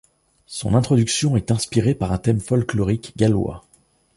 Son introduction est inspirée par un thème folklorique gallois.